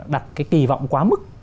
đặt cái kỳ vọng quá mức